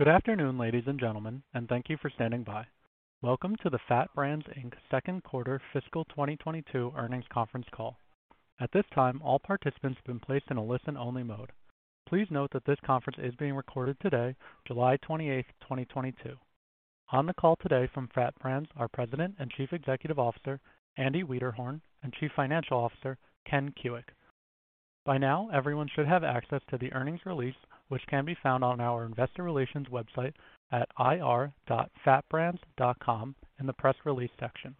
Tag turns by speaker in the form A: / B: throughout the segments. A: Good afternoon, ladies and gentlemen, and thank you for standing by. Welcome to the FAT Brands Inc's second quarter fiscal 2022 earnings conference call. At this time, all participants have been placed in a listen-only mode. Please note that this conference is being recorded today, July 28th, 2022. On the call today from FAT Brands are President and Chief Executive Officer, Andy Wiederhorn, and Chief Financial Officer, Ken Kuick. By now, everyone should have access to the earnings release, which can be found on our investor relations website at ir.fatbrands.com in the press release section.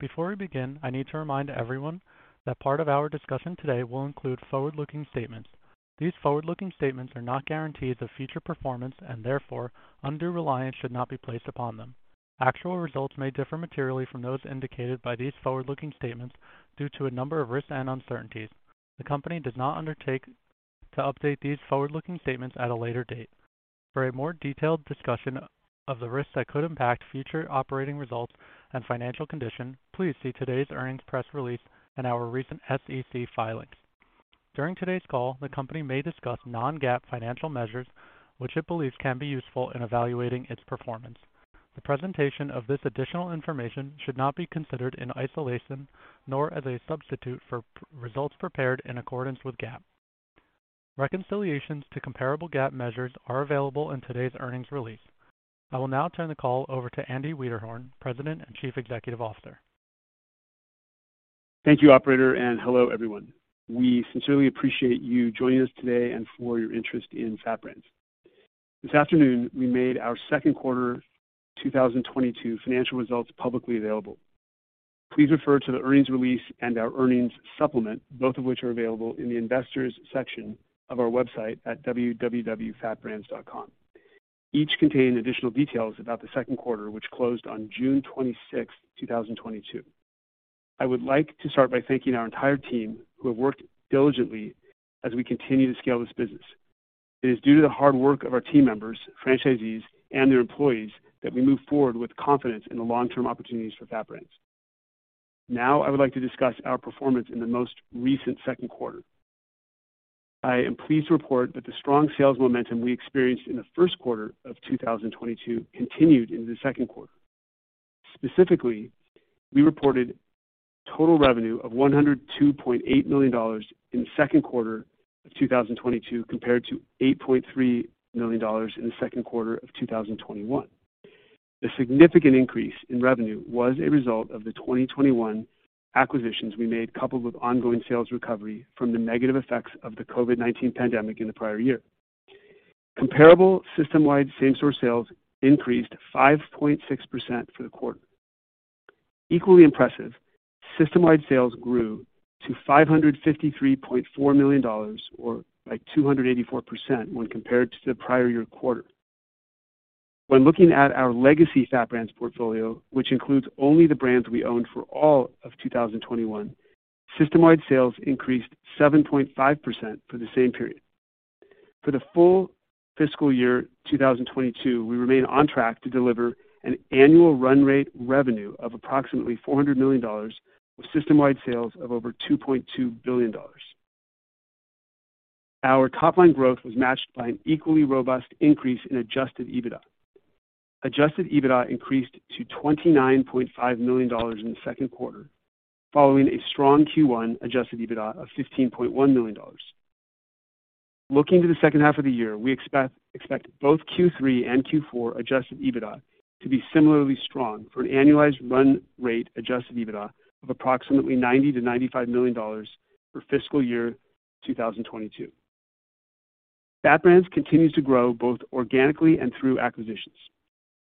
A: Before we begin, I need to remind everyone that part of our discussion today will include forward-looking statements. These forward-looking statements are not guarantees of future performance, and therefore undue reliance should not be placed upon them. Actual results may differ materially from those indicated by these forward-looking statements due to a number of risks and uncertainties. The company does not undertake to update these forward-looking statements at a later date. For a more detailed discussion of the risks that could impact future operating results and financial condition, please see today's earnings press release and our recent SEC filings. During today's call, the company may discuss non-GAAP financial measures, which it believes can be useful in evaluating its performance. The presentation of this additional information should not be considered in isolation nor as a substitute for results prepared in accordance with GAAP. Reconciliations to comparable GAAP measures are available in today's earnings release. I will now turn the call over to Andy Wiederhorn, President and Chief Executive Officer.
B: Thank you, operator, and hello, everyone. We sincerely appreciate you joining us today and for your interest in FAT Brands. This afternoon we made our second quarter 2022 financial results publicly available. Please refer to the earnings release and our earnings supplement, both of which are available in the Investors section of our website at www.fatbrands.com. Each contain additional details about the second quarter, which closed on June 26th, 2022. I would like to start by thanking our entire team who have worked diligently as we continue to scale this business. It is due to the hard work of our team members, franchisees, and their employees that we move forward with confidence in the long-term opportunities for FAT Brands. Now, I would like to discuss our performance in the most recent second quarter. I am pleased to report that the strong sales momentum we experienced in the first quarter of 2022 continued into the second quarter. Specifically, we reported total revenue of $102.8 million in the second quarter of 2022 compared to $8.3 million in the second quarter of 2021. The significant increase in revenue was a result of the 2021 Acquisitions we made, coupled with ongoing sales recovery from the negative effects of the COVID-19 pandemic in the prior year. Comparable system-wide same-store sales increased 5.6% for the quarter. Equally impressive, system-wide sales grew to $553.4 million, or by 284% when compared to the prior year quarter. When looking at our legacy FAT Brands portfolio, which includes only the brands we owned for all of 2021, system-wide sales increased 7.5% for the same period. For the full fiscal year 2022, we remain on track to deliver an annual run rate revenue of approximately $400 million, with system-wide sales of over $2.2 billion. Our top line growth was matched by an equally robust increase in adjusted EBITDA. Adjusted EBITDA increased to $29.5 million in the second quarter, following a strong Q1 adjusted EBITDA of $15.1 million. Looking to the second half of the year, we expect both Q3 and Q4 adjusted EBITDA to be similarly strong for an annualized run rate adjusted EBITDA of approximately $90 million-$95 million for fiscal year 2022. FAT Brands continues to grow both organically and through acquisitions.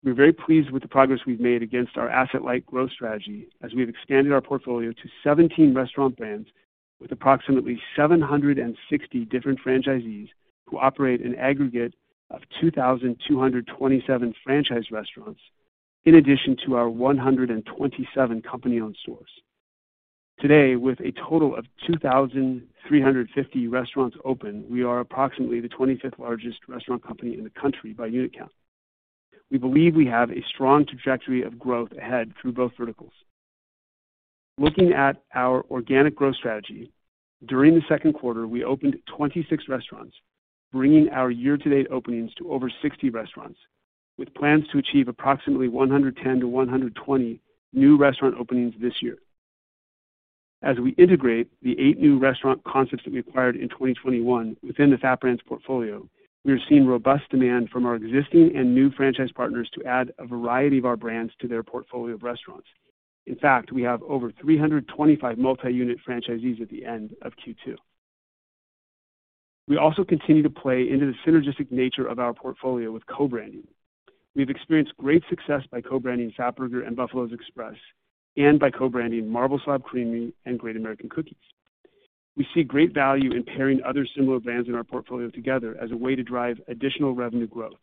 B: We're very pleased with the progress we've made against our asset-light growth strategy as we've expanded our portfolio to 17 restaurant brands with approximately 760 different franchisees who operate an aggregate of 2,227 franchise restaurants in addition to our 127 company-owned stores. Today, with a total of 2,350 restaurants open, we are approximately the 25th largest restaurant company in the country by unit count. We believe we have a strong trajectory of growth ahead through both verticals. Looking at our organic growth strategy, during the second quarter, we opened 26 restaurants, bringing our year-to-date openings to over 60 restaurants, with plans to achieve approximately 110-120 new restaurant openings this year. As we integrate the eight new restaurant concepts that we acquired in 2021 within the FAT Brands portfolio, we are seeing robust demand from our existing and new franchise partners to add a variety of our brands to their portfolio of restaurants. In fact, we have over 325 multi-unit franchisees at the end of Q2. We also continue to play into the synergistic nature of our portfolio with co-branding. We've experienced great success by co-branding Fatburger and Buffalo's Express and by co-branding Marble Slab Creamery and Great American Cookies. We see great value in pairing other similar brands in our portfolio together as a way to drive additional revenue growth.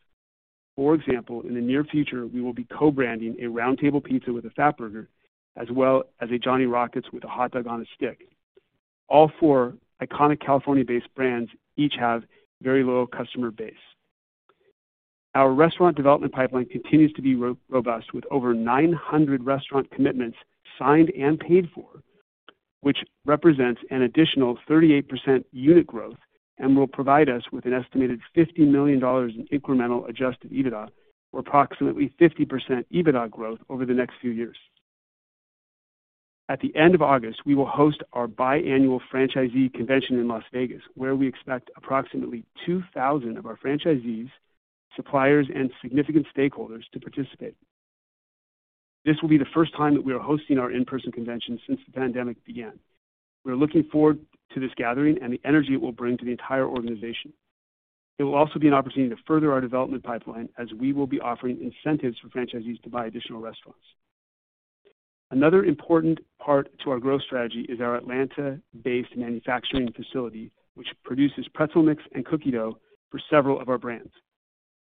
B: For example, in the near future, we will be co-branding a Round Table Pizza with a Fatburger as well as a Johnny Rockets with a Hot Dog on a Stick. All four iconic California-based brands each have very loyal customer base. Our restaurant development pipeline continues to be robust with over 900 restaurant commitments signed and paid for, which represents an additional 38% unit growth and will provide us with an estimated $50 million in incremental adjusted EBITDA, or approximately 50% EBITDA growth over the next few years. At the end of August, we will host our biannual franchisee convention in Las Vegas, where we expect approximately 2,000 of our franchisees, suppliers, and significant stakeholders to participate. This will be the first time that we are hosting our in-person convention since the pandemic began. We are looking forward to this gathering and the energy it will bring to the entire organization. It will also be an opportunity to further our development pipeline as we will be offering incentives for franchisees to buy additional restaurants. Another important part to our growth strategy is our Atlanta-based manufacturing facility, which produces pretzel mix and cookie dough for several of our brands.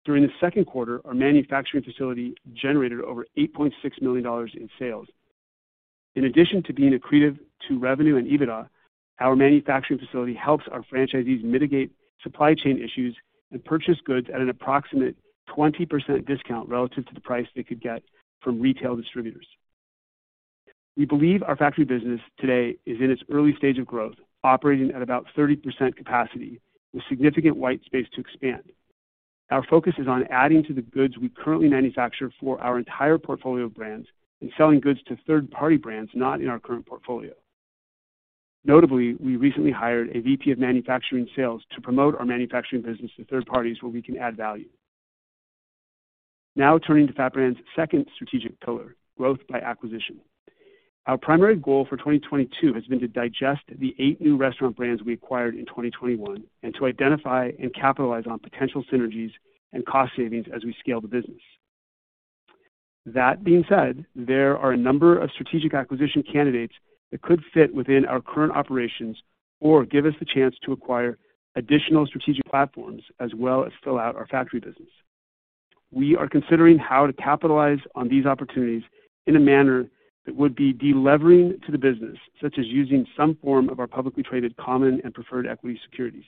B: During the second quarter, our manufacturing facility generated over $8.6 million in sales. In addition to being accretive to revenue and EBITDA, our manufacturing facility helps our franchisees mitigate supply chain issues and purchase goods at an approximate 20% discount relative to the price they could get from retail distributors. We believe our factory business today is in its early stage of growth, operating at about 30% capacity with significant white space to expand. Our focus is on adding to the goods we currently manufacture for our entire portfolio of brands and selling goods to third-party brands not in our current portfolio. Notably, we recently hired a VP of Manufacturing Sales to promote our manufacturing business to third parties where we can add value. Now turning to FAT Brands' second strategic pillar, growth by acquisition. Our primary goal for 2022 has been to digest the eight new restaurant brands we acquired in 2021 and to identify and capitalize on potential synergies and cost savings as we scale the business. That being said, there are a number of strategic acquisition candidates that could fit within our current operations or give us the chance to acquire additional strategic platforms as well as fill out our factory business. We are considering how to capitalize on these opportunities in a manner that would be de-levering to the business, such as using some form of our publicly traded common and preferred equity securities.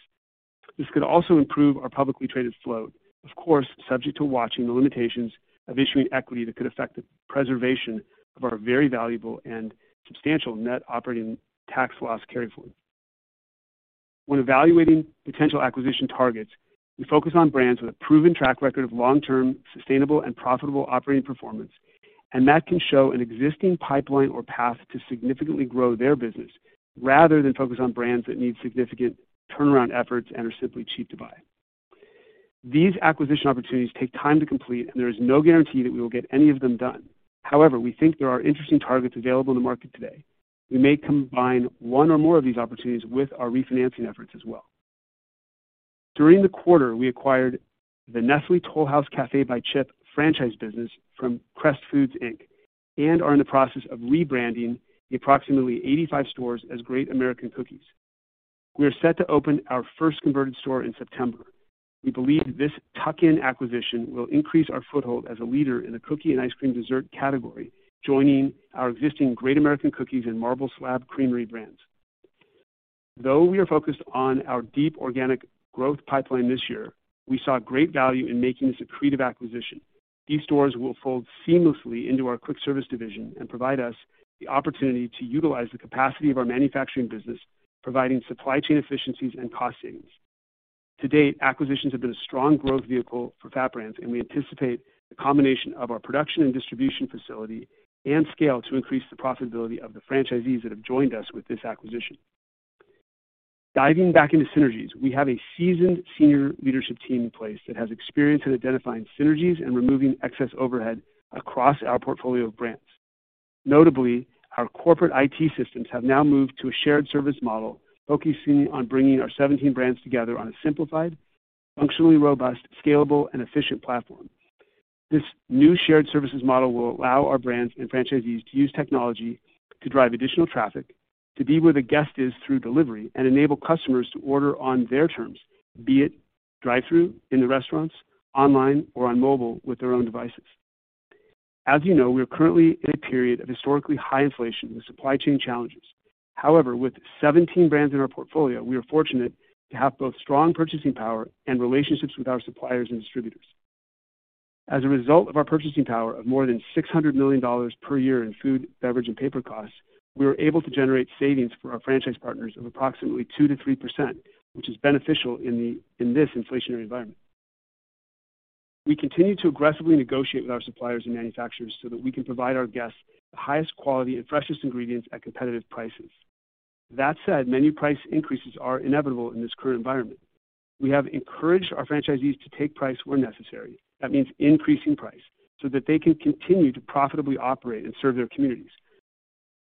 B: This could also improve our publicly traded float, of course, subject to watching the limitations of issuing equity that could affect the preservation of our very valuable and substantial net operating tax loss carryforward. When evaluating potential acquisition targets, we focus on brands with a proven track record of long-term, sustainable, and profitable operating performance, and that can show an existing pipeline or path to significantly grow their business rather than focus on brands that need significant turnaround efforts and are simply cheap to buy. These acquisition opportunities take time to complete, and there is no guarantee that we will get any of them done. However, we think there are interesting targets available in the market today. We may combine one or more of these opportunities with our refinancing efforts as well. During the quarter, we acquired the Nestlé Toll House Café by Chip franchise business from Crest Foods, Inc and are in the process of rebranding the approximately 85 stores as Great American Cookies. We are set to open our first converted store in September. We believe this tuck-in acquisition will increase our foothold as a leader in the cookie and ice cream dessert category, joining our existing Great American Cookies and Marble Slab Creamery brands. Though we are focused on our deep organic growth pipeline this year, we saw great value in making this accretive acquisition. These stores will fold seamlessly into our quick service division and provide us the opportunity to utilize the capacity of our manufacturing business, providing supply chain efficiencies and cost savings. To date, acquisitions have been a strong growth vehicle for FAT Brands, and we anticipate the combination of our production and distribution facility and scale to increase the profitability of the franchisees that have joined us with this acquisition. Diving back into synergies, we have a seasoned senior leadership team in place that has experience in identifying synergies and removing excess overhead across our portfolio of brands. Notably, our corporate IT systems have now moved to a shared service model focusing on bringing our 17 brands together on a simplified, functionally robust, scalable, and efficient platform. This new shared services model will allow our brands and franchisees to use technology to drive additional traffic, to be where the guest is through delivery, and enable customers to order on their terms, be it drive-thru in the restaurants, online, or on mobile with their own devices. As you know, we are currently in a period of historically high inflation with supply chain challenges. However, with 17 brands in our portfolio, we are fortunate to have both strong purchasing power and relationships with our suppliers and distributors. As a result of our purchasing power of more than $600 million per year in food, beverage, and paper costs, we were able to generate savings for our franchise partners of approximately 2%-3%, which is beneficial in this inflationary environment. We continue to aggressively negotiate with our suppliers and manufacturers so that we can provide our guests the highest quality and freshest ingredients at competitive prices. That said, menu price increases are inevitable in this current environment. We have encouraged our franchisees to take price where necessary. That means increasing price so that they can continue to profitably operate and serve their communities.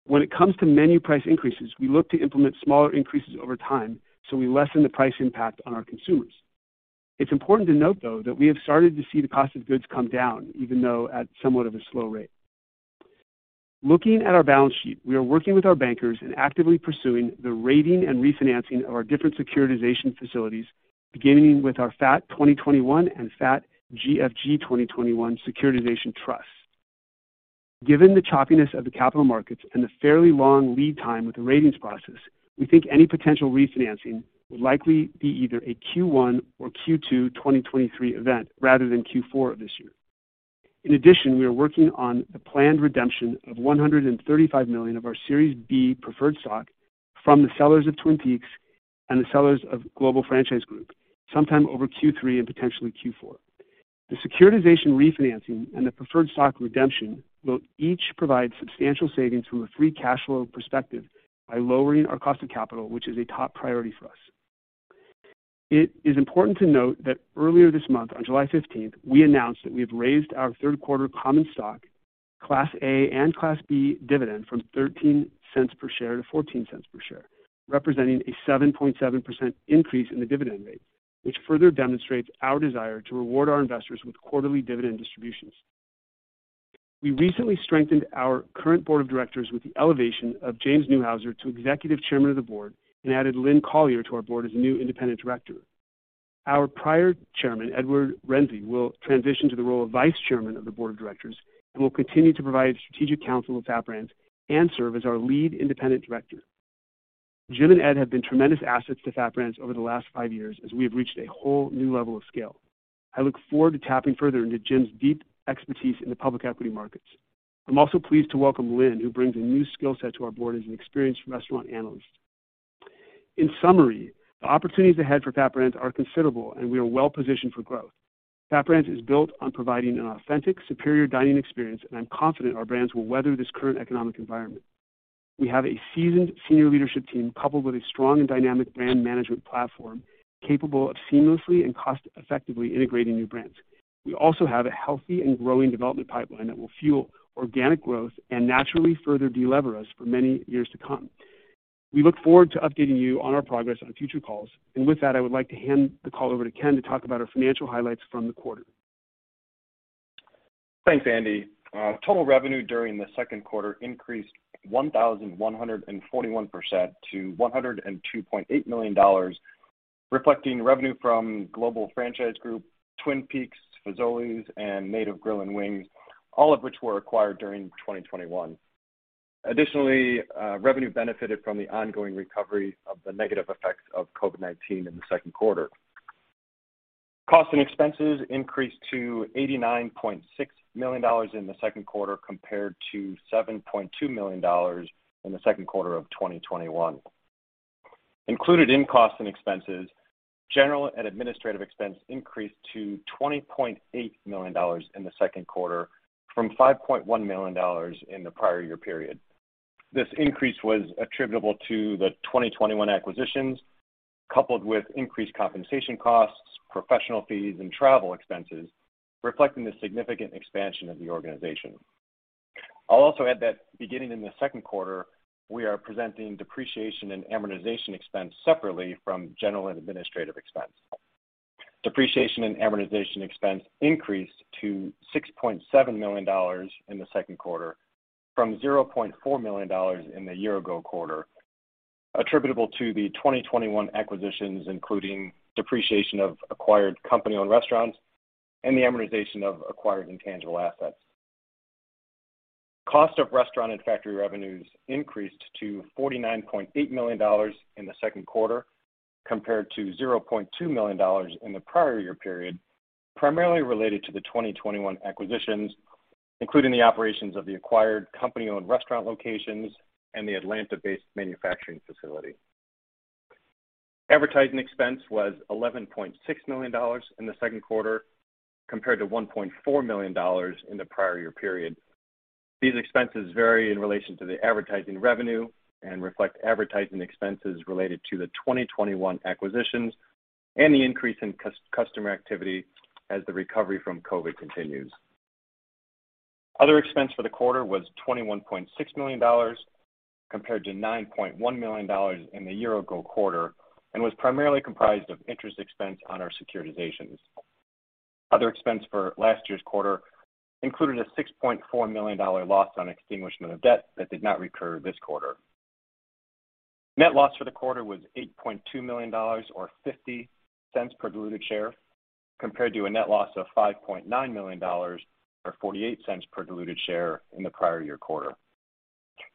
B: When it comes to menu price increases, we look to implement smaller increases over time, so we lessen the price impact on our consumers. It's important to note, though, that we have started to see the cost of goods come down, even though at somewhat of a slow rate. Looking at our balance sheet, we are working with our bankers and actively pursuing the rating and refinancing of our different securitization facilities, beginning with our FAT 2021 and FAT GFG 2021 securitization trust. Given the choppiness of the capital markets and the fairly long lead time with the ratings process, we think any potential refinancing would likely be either a Q1 or Q2 2023 event rather than Q4 of this year. In addition, we are working on the planned redemption of $135 million of our Series B preferred stock from the sellers of Twin Peaks and the sellers of Global Franchise Group sometime over Q3 and potentially Q4. The securitization refinancing and the preferred stock redemption will each provide substantial savings from a free cash flow perspective by lowering our cost of capital, which is a top priority for us. It is important to note that earlier this month, on July 15th, we announced that we have raised our third quarter common stock, Class A and Class B dividend from $0.13 per share to $0.14 per share, representing a 7.7% increase in the dividend rate, which further demonstrates our desire to reward our investors with quarterly dividend distributions. We recently strengthened our current board of directors with the elevation of James Neuhauser to Executive Chairman of the Board and added Lynne Collier to our board as a new independent director. Our prior chairman, Edward Rensi, will transition to the role of Vice Chairman of the Board of Directors and will continue to provide strategic counsel to FAT Brands and serve as our Lead Independent Director. Jim and Ed have been tremendous assets to FAT Brands over the last five years as we have reached a whole new level of scale. I look forward to tapping further into Jim's deep expertise in the public equity markets. I'm also pleased to welcome Lynne, who brings a new skill set to our board as an experienced restaurant analyst. In summary, the opportunities ahead for FAT Brands are considerable, and we are well positioned for growth. FAT Brands is built on providing an authentic, superior dining experience, and I'm confident our brands will weather this current economic environment. We have a seasoned senior leadership team coupled with a strong and dynamic brand management platform capable of seamlessly and cost-effectively integrating new brands. We also have a healthy and growing development pipeline that will fuel organic growth and naturally further de-lever us for many years to come. We look forward to updating you on our progress on future calls. With that, I would like to hand the call over to Ken to talk about our financial highlights from the quarter.
C: Thanks, Andy. Total revenue during the second quarter increased 1,141% to $102.8 million, reflecting revenue from Global Franchise Group, Twin Peaks, Fazoli's, and Native Grill & Wings, all of which were acquired during 2021. Additionally, revenue benefited from the ongoing recovery of the negative effects of COVID-19 in the second quarter. Costs and expenses increased to $89.6 million in the second quarter compared to $7.2 million in the second quarter of 2021. Included in costs and expenses, general and administrative expense increased to $20.8 million in the second quarter from $5.1 million in the prior year period. This increase was attributable to the 2021 Acquisitions, coupled with increased compensation costs, professional fees, and travel expenses, reflecting the significant expansion of the organization. I'll also add that beginning in the second quarter, we are presenting depreciation and amortization expense separately from general and administrative expense. Depreciation and amortization expense increased to $6.7 million in the second quarter from $0.4 million in the year-ago quarter, attributable to the 2021 Acquisitions, including depreciation of acquired company-owned restaurants and the amortization of acquired intangible assets. Cost of restaurant and factory revenues increased to $49.8 million in the second quarter compared to $0.2 million in the prior year period, primarily related to the 2021 Acquisitions, including the operations of the acquired company-owned restaurant locations and the Atlanta-based manufacturing facility. Advertising expense was $11.6 million in the second quarter compared to $1.4 million in the prior year period. These expenses vary in relation to the advertising revenue and reflect advertising expenses related to the 2021 acquisitions and the increase in customer activity as the recovery from COVID continues. Other expense for the quarter was $21.6 million compared to $9.1 million in the year-ago quarter and was primarily comprised of interest expense on our securitizations. Other expense for last year's quarter included a $6.4 million loss on extinguishment of debt that did not recur this quarter. Net loss for the quarter was $8.2 million or $0.50 per diluted share, compared to a net loss of $5.9 million or $0.48 per diluted share in the prior year quarter.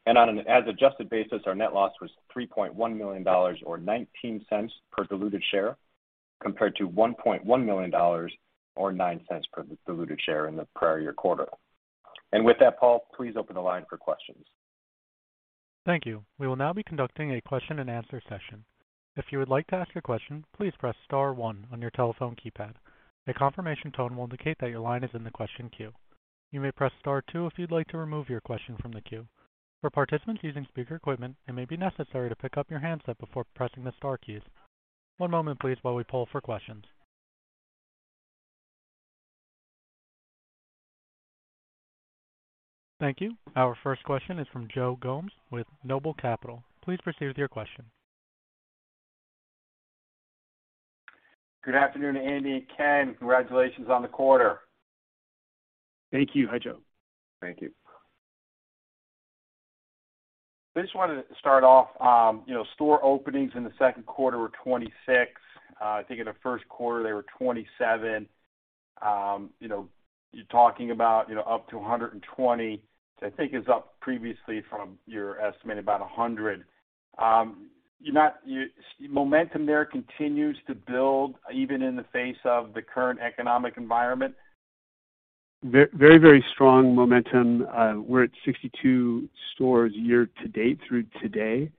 C: On an as adjusted basis, our net loss was $3.1 million or $0.19 per diluted share, compared to $1.1 million or $0.09 per diluted share in the prior year quarter. With that, Paul, please open the line for questions.
A: Thank you. We will now be conducting a question and answer session. If you would like to ask a question, please press star one on your telephone keypad. A confirmation tone will indicate that your line is in the question queue. You may press star two if you'd like to remove your question from the queue. For participants using speaker equipment, it may be necessary to pick up your handset before pressing the star keys. One moment please while we poll for questions. Thank you. Our first question is from Joe Gomes with NOBLE Capital. Please proceed with your question.
D: Good afternoon, Andy and Ken. Congratulations on the quarter.
C: Thank you. Hi, Joe.
D: Thank you. I just wanted to start off, you know, store openings in the second quarter were 26. I think in the first quarter, they were 27. You know, you're talking about, you know, up to 120. I think it was up previously from your estimate, about 100. Momentum there continues to build even in the face of the current economic environment.
B: Very, very strong momentum. We're at 62 stores year to date through today.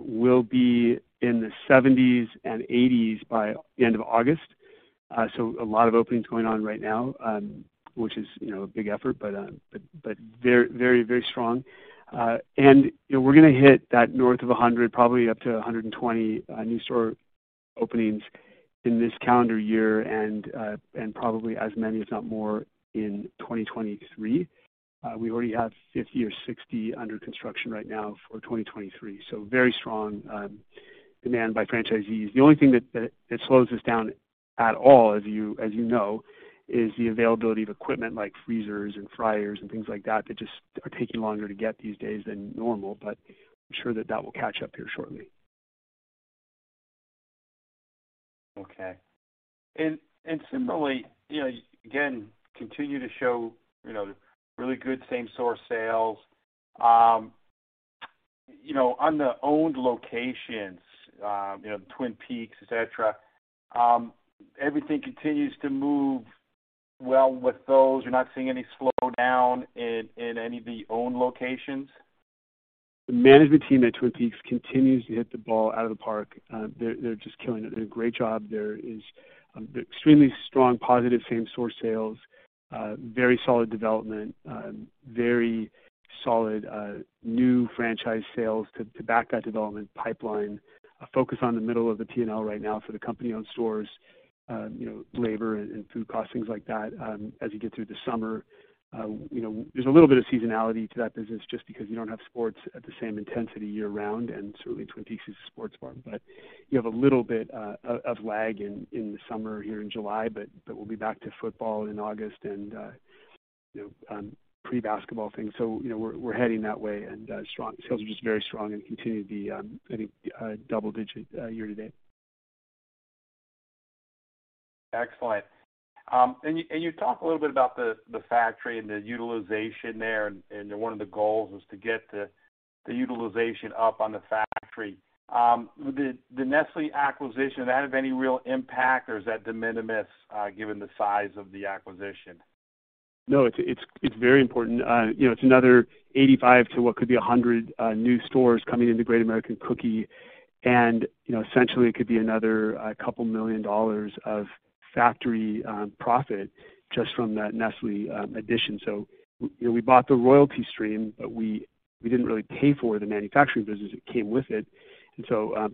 B: We'll be in the 70s and 80s by end of August. A lot of openings going on right now, which is, you know, a big effort, but very, very strong. You know, we're gonna hit that north of 100, probably up to 120, new store openings in this calendar year and probably as many, if not more, in 2023. We already have 50 or 60 under construction right now for 2023. Very strong demand by franchisees. The only thing that slows us down at all, as you know, is the availability of equipment like freezers and fryers and things like that that just are taking longer to get these days than normal. I'm sure that will catch up here shortly.
D: Okay. Similarly, you know, again, continue to show, you know, really good same-store sales. You know, on the owned locations, you know, Twin Peaks, et cetera, everything continues to move well with those. You're not seeing any slowdown in any of the owned locations?
B: The management team at Twin Peaks continues to hit the ball out of the park. They're just killing it. They're doing a great job. There is extremely strong positive same-store sales, very solid development, very solid new franchise sales to back that development pipeline. A focus on the middle of the P&L right now for the company-owned stores, you know, labor and food costs, things like that, as you get through the summer. You know, there's a little bit of seasonality to that business just because you don't have sports at the same intensity year-round. Certainly, Twin Peaks is a sports bar, but you have a little bit of lag in the summer here in July, but we'll be back to football in August and, you know, pre-basketball things. You know, we're heading that way and strong. Sales are just very strong and continue to be, I think, double digit year to date.
D: Excellent. You talked a little bit about the factory and the utilization there, and one of the goals is to get the utilization up on the factory. The Nestlé acquisition, did that have any real impact, or is that de minimis, given the size of the acquisition?
B: No, it's very important. You know, it's another 85 to what could be a 100 new stores coming into Great American Cookies and, you know, essentially it could be another couple million dollars of factory profit just from that Nestlé addition. You know, we bought the royalty stream, but we didn't really pay for the manufacturing business that came with it.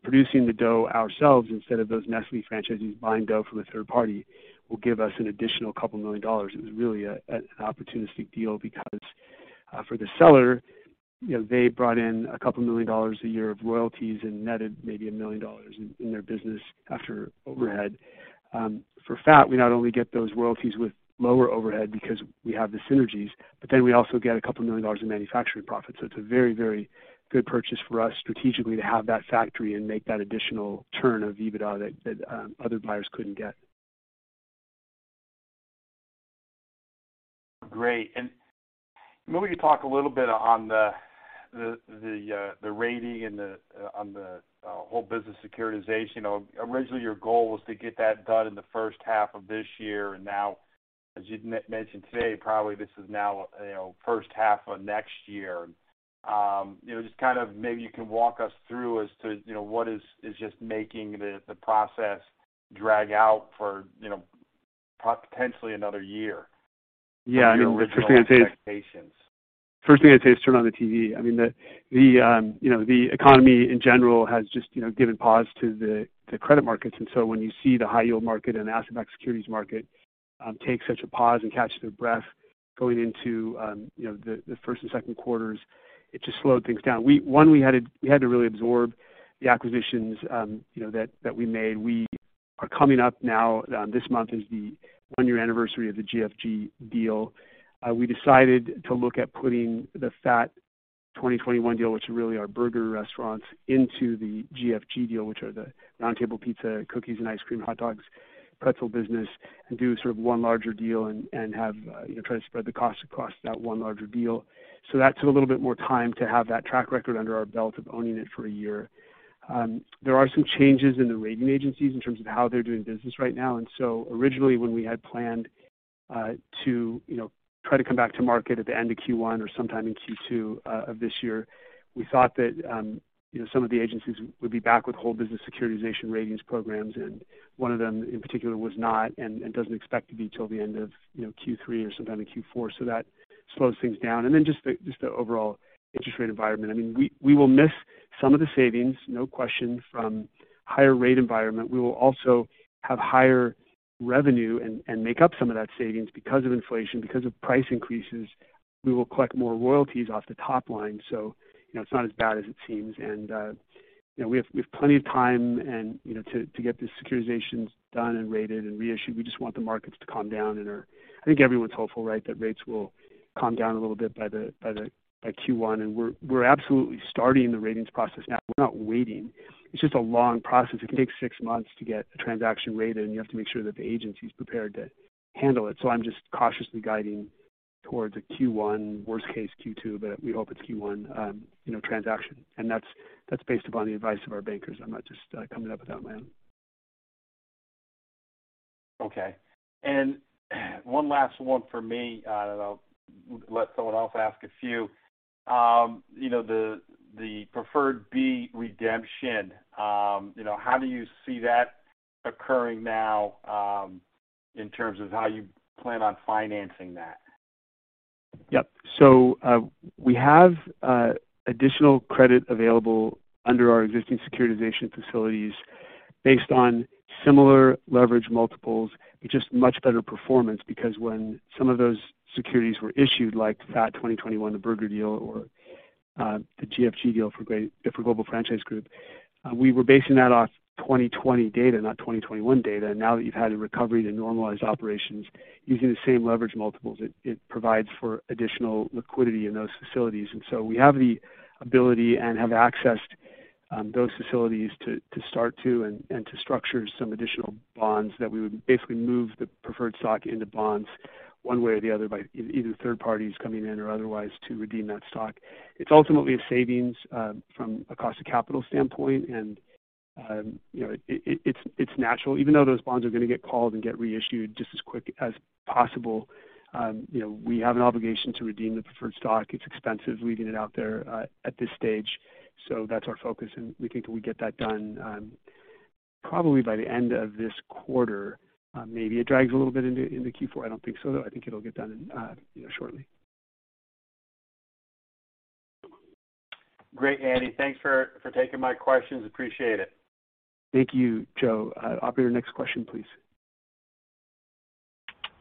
B: Producing the dough ourselves instead of those Nestlé franchisees buying dough from a third party will give us an additional couple million dollars. It was really an opportunistic deal because for the seller, you know, they brought in a couple million dollars a year of royalties and netted maybe a million dollars in their business after overhead. For FAT, we not only get those royalties with lower overhead because we have the synergies, but then we also get a couple million dollars in manufacturing profit. It's a very, very good purchase for us strategically to have that factory and make that additional turn of EBITDA that other buyers couldn't get.
D: Great. Maybe you could talk a little bit on the rating and on the whole business securitization. You know, originally, your goal was to get that done in the first half of this year, and now as you mentioned today, probably this is now, you know, first half of next year. You know, just kind of maybe you can walk us through as to, you know, what is just making the process drag out for, you know, potentially another year?
B: Yeah. I mean, the first thing I'd say is.
D: From your original expectations.
B: First thing I'd say is turn on the TV. I mean, you know, the economy in general has just you know given pause to the credit markets, and so when you see the high yield market and asset-backed securities market take such a pause and catch their breath going into you know the first and second quarters, it just slowed things down. One, we had to really absorb the acquisitions you know that we made. We are coming up now, this month is the one-year anniversary of the GFG deal. We decided to look at putting the FAT 2021 deal, which are really our burger restaurants, into the GFG deal, which are the Round Table Pizza, cookies and ice cream, hot dogs, pretzel business, and do sort of one larger deal and have you know try to spread the cost across that one larger deal. That took a little bit more time to have that track record under our belt of owning it for a year. There are some changes in the rating agencies in terms of how they're doing business right now. Originally, when we had planned to, you know, try to come back to market at the end of Q1 or sometime in Q2 of this year, we thought that, you know, some of the agencies would be back with whole business securitization ratings programs, and one of them in particular was not and doesn't expect to be till the end of, you know, Q3 or sometime in Q4. That slows things down. Then just the overall interest rate environment. I mean, we will miss some of the savings, no question, from higher rate environment. We will also have higher revenue and make up some of that savings because of inflation, because of price increases. We will collect more royalties off the top line, so, you know, it's not as bad as it seems. You know, we have plenty of time and, you know, to get the securitizations done and rated and reissued. We just want the markets to calm down. I think everyone's hopeful, right, that rates will calm down a little bit by Q1. We're absolutely starting the ratings process now. We're not waiting. It's just a long process. It can take six months to get a transaction rated, and you have to make sure that the agency's prepared to handle it. I'm just cautiously guiding toward a Q1, worst case Q2, but we hope it's Q1, you know, transaction. That's based upon the advice of our bankers. I'm not just coming up with that, man.
D: Okay. One last one for me, and I'll let someone else ask a few. You know, the Preferred B redemption, you know, how do you see that occurring now, in terms of how you plan on financing that?
B: Yep. We have additional credit available under our existing securitization facilities based on similar leverage multiples, but just much better performance. Because when some of those securities were issued, like FAT 2021, the burger deal, or the GFG deal for Global Franchise Group, we were basing that off 2020 data, not 2021 data. Now that you've had a recovery to normalized operations using the same leverage multiples, it provides for additional liquidity in those facilities. We have the ability and have accessed those facilities to start to structure some additional bonds that we would basically move the preferred stock into bonds one way or the other by either third parties coming in or otherwise to redeem that stock. It's ultimately a savings from a cost of capital standpoint. You know, it's natural. Even though those bonds are gonna get called and get reissued just as quick as possible, you know, we have an obligation to redeem the preferred stock. It's expensive leaving it out there at this stage. That's our focus, and we think we get that done probably by the end of this quarter, maybe it drags a little bit into Q4. I don't think so, though. I think it'll get done, you know, shortly.
D: Great, Andy. Thanks for taking my questions. Appreciate it.
B: Thank you, Joe. Operator, next question, please.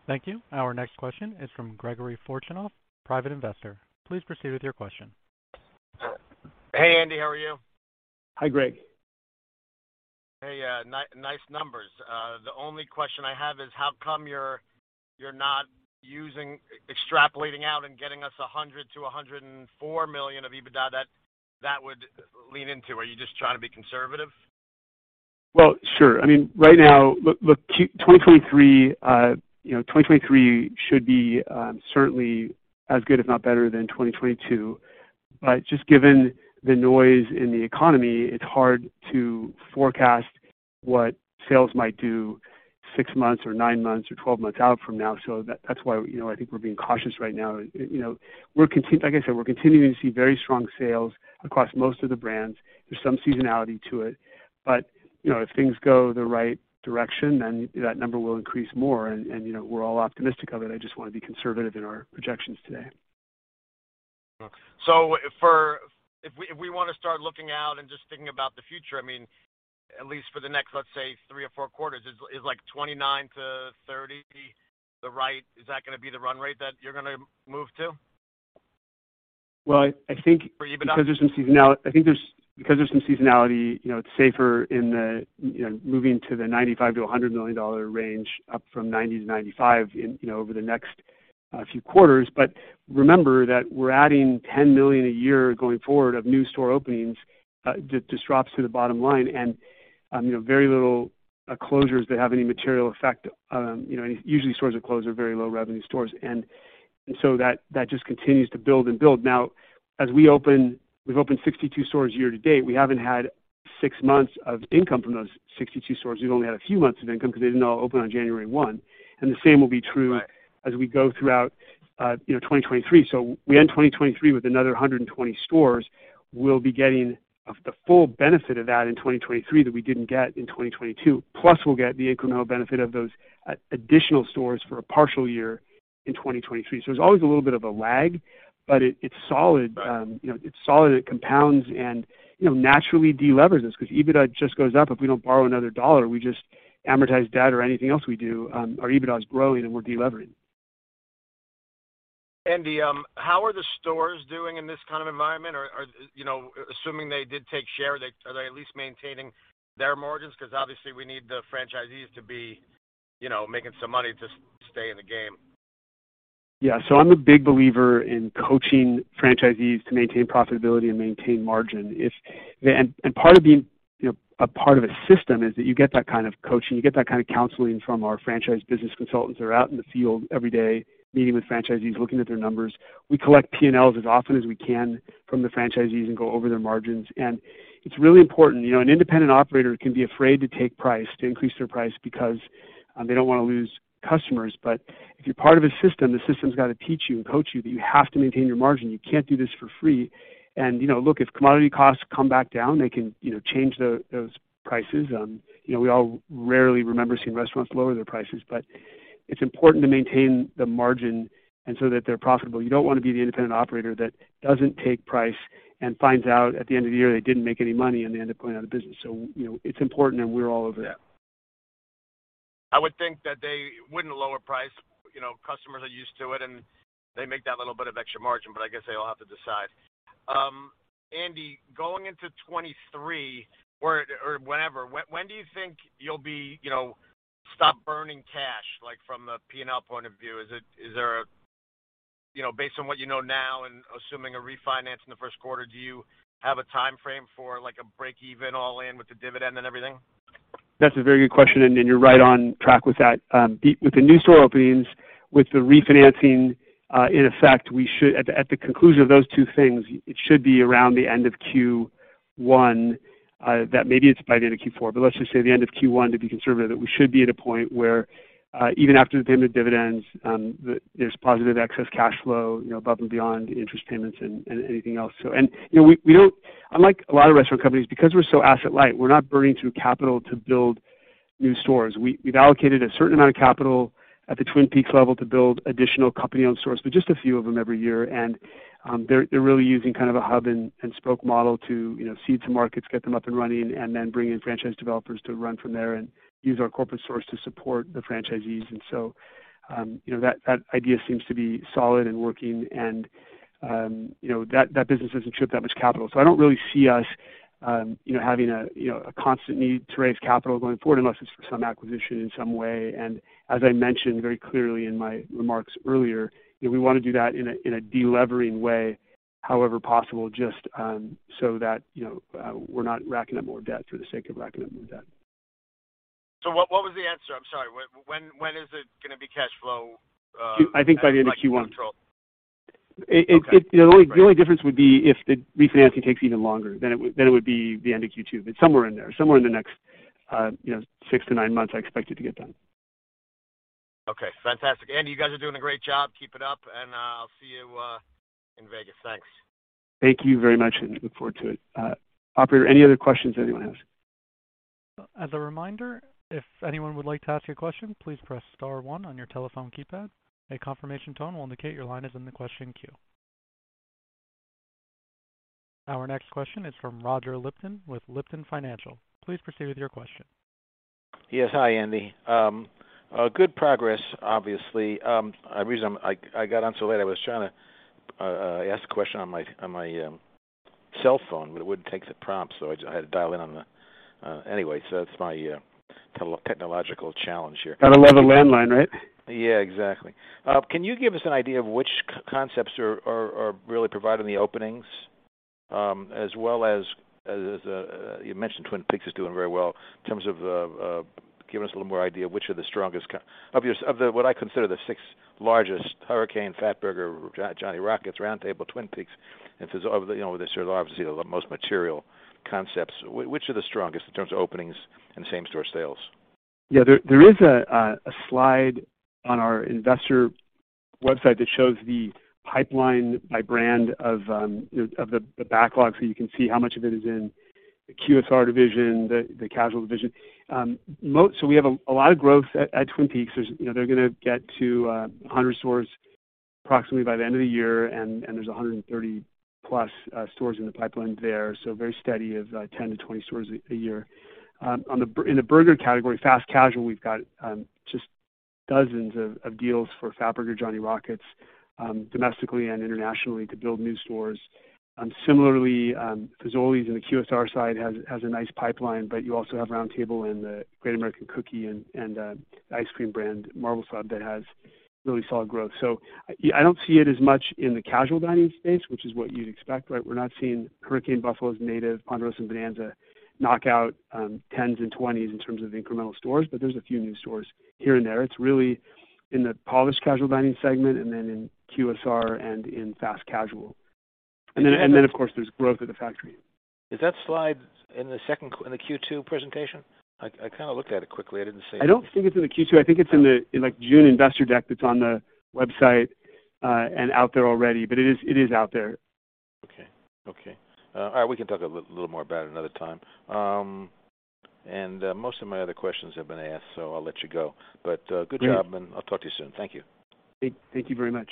A: Thank you. Our next question is from Gregory Fortunoff, Private Investor. Please proceed with your question.
E: Hey, Andy. How are you?
B: Hi, Greg.
E: Nice numbers. The only question I have is how come you're not using extrapolating out and getting us $100 million-$104 million of EBITDA that would lean into? Are you just trying to be conservative?
B: Sure. I mean, right now, look, 2023, you know, 2023 should be certainly as good, if not better than 2022. Just given the noise in the economy, it's hard to forecast what sales might do six months or nine months or 12 months out from now. That's why, you know, I think we're being cautious right now. You know, like I said, we're continuing to see very strong sales across most of the brands. There's some seasonality to it, but you know, if things go the right direction, then that number will increase more and, you know, we're all optimistic of it. I just want to be conservative in our projections today.
E: If we wanna start looking out and just thinking about the future, I mean, at least for the next, let's say, three or four quarters, is like 29-30? Is that gonna be the run rate that you're gonna move to?
B: Well, I think.
E: For EBITDA.
B: Because there's some seasonality, you know, it's safer in the, you know, moving to the $95 million-$100 million range up from $90 million-$95 million in, you know, over the next few quarters. Remember that we're adding $10 million a year going forward of new store openings, just drops to the bottom line and, you know, very little closures that have any material effect. You know, usually stores that close are very low revenue stores. And so that just continues to build and build. Now, as we open, we've opened 62 stores year to date. We haven't had six months of income from those 62 stores. We've only had a few months of income because they didn't all open on January 1. The same will be true.
E: Right.
B: As we go throughout, you know, 2023. We end 2023 with another 120 stores. We'll be getting the full benefit of that in 2023 that we didn't get in 2022. Plus, we'll get the incremental benefit of those additional stores for a partial year in 2023. There's always a little bit of a lag, but it's solid.
E: Right.
B: You know, it's solid, it compounds and, you know, naturally de-levers us 'cause EBITDA just goes up. If we don't borrow another dollar, we just amortize debt or anything else we do, our EBITDA is growing and we're de-levering.
E: Andy, how are the stores doing in this kind of environment? Are you know, assuming they did take share, are they at least maintaining their margins? Because obviously we need the franchisees to be, you know, making some money to stay in the game.
B: Yeah. I'm a big believer in coaching franchisees to maintain profitability and maintain margin. Part of being, you know, a part of a system is that you get that kind of coaching, you get that kind of counseling from our franchise business consultants are out in the field every day meeting with franchisees, looking at their numbers. We collect P&Ls as often as we can from the franchisees and go over their margins. It's really important. You know, an independent operator can be afraid to take price, to increase their price because they don't wanna lose customers. If you're part of a system, the system's gotta teach you and coach you that you have to maintain your margin. You can't do this for free. You know, look, if commodity costs come back down, they can, you know, change those prices. You know, we all rarely remember seeing restaurants lower their prices, but it's important to maintain the margin and so that they're profitable. You don't wanna be the independent operator that doesn't take price and finds out at the end of the year they didn't make any money and they end up going out of business. You know, it's important and we're all over that.
E: I would think that they wouldn't lower price. You know, customers are used to it, and they make that little bit of extra margin, but I guess they all have to decide. Andy, going into 2023 or whenever, when do you think you'll be, you know, stop burning cash, like from a P&L point of view? You know, based on what you know now and assuming a refinance in the first quarter, do you have a timeframe for like a break even all in with the dividend and everything?
B: That's a very good question, and you're right on track with that. With the new store openings, with the refinancing, in effect, at the conclusion of those two things, it should be around the end of Q1 that maybe it's by the end of Q4, but let's just say the end of Q1, to be conservative, that we should be at a point where even after paying dividends, there's positive excess cash flow, you know, above and beyond interest payments and anything else. You know, we don't, unlike a lot of restaurant companies, because we're so asset light, we're not burning through capital to build new stores. We've allocated a certain amount of capital at the Twin Peaks level to build additional company-owned stores, but just a few of them every year. They're really using kind of a hub and spoke model to you know, seed some markets, get them up and running, and then bring in franchise developers to run from there and use our corporate resources to support the franchisees. You know, that idea seems to be solid and working, and you know, that business doesn't ship that much capital. I don't really see us you know, having a you know, a constant need to raise capital going forward unless it's for some acquisition in some way. As I mentioned very clearly in my remarks earlier, you know, we wanna do that in a delevering way, however possible, just so that you know, we're not racking up more debt for the sake of racking up more debt.
E: What was the answer? I'm sorry. When is it gonna be cash flow?
B: I think by the end of Q1.
E: Okay.
B: The only difference would be if the refinancing takes even longer, then it would be the end of Q2, but somewhere in there, somewhere in the next, you know, six to nine months, I expect it to get done.
E: Okay, fantastic. Andy, you guys are doing a great job. Keep it up, and I'll see you in Vegas. Thanks.
B: Thank you very much, and look forward to it. Operator, any other questions anyone has?
A: As a reminder, if anyone would like to ask a question, please press star one on your telephone keypad. A confirmation tone will indicate your line is in the question queue. Our next question is from Roger Lipton with Lipton Financial. Please proceed with your question.
F: Yes. Hi, Andy. Good progress, obviously. The reason I got on so late, I was trying to ask a question on my cell phone, but it wouldn't take the prompt, so I had to dial in. Anyway, that's my technological challenge here.
B: Gotta love a landline, right?
F: Yeah, exactly. Can you give us an idea of which concepts are really providing the openings? As well as, you mentioned Twin Peaks is doing very well in terms of giving us a little more idea of which are the strongest. What I consider the six largest, Hurricane, Fatburger, Johnny Rockets, Round Table, Twin Peaks, and Fazoli's, you know, they're obviously the most material concepts. Which are the strongest in terms of openings and same store sales?
B: There is a slide on our investor website that shows the pipeline by brand of you know of the backlog, so you can see how much of it is in the QSR division, the casual division. We have a lot of growth at Twin Peaks. There's you know they're gonna get to 100 stores approximately by the end of the year, and there's 130+ stores in the pipeline there. Very steady of 10-20 stores a year. In the burger category, fast casual, we've got just dozens of deals for Fatburger, Johnny Rockets, domestically and internationally to build new stores. Similarly, Fazoli's in the QSR side has a nice pipeline, but you also have Round Table and the Great American Cookies and ice cream brand, Marble Slab, that has really solid growth. I don't see it as much in the casual dining space, which is what you'd expect, right? We're not seeing Hurricane, Buffalo's, Native, Ponderosa, and Bonanza knock out 10s and 20s in terms of incremental stores, but there's a few new stores here and there. It's really in the polished casual dining segment and then in QSR and in fast casual. Then, of course, there's growth of the factory.
F: Is that slide in the Q2 presentation? I kinda looked at it quickly. I didn't see it.
B: I don't think it's in the Q2. I think it's in the, like, June investor deck that's on the website, and out there already. It is out there.
F: Okay. All right, we can talk a little more about it another time. Most of my other questions have been asked, so I'll let you go.
B: Great.
F: Good job, and I'll talk to you soon. Thank you.
B: Thank you very much.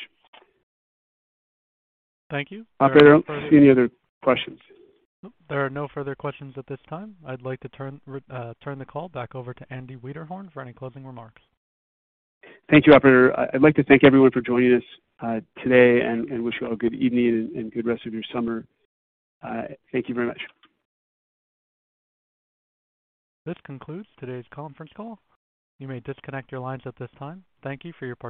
A: Thank you.
B: Operator, any other questions?
A: There are no further questions at this time. I'd like to turn the call back over to Andy Wiederhorn for any closing remarks.
B: Thank you, operator. I'd like to thank everyone for joining us today and wish you all good evening and good rest of your summer. Thank you very much.
A: This concludes today's conference call. You may disconnect your lines at this time. Thank you for your participation.